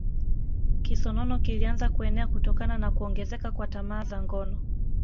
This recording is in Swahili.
Kisonono kilianza kuenea kutokana na kuongezeka kwa tamaa za ngono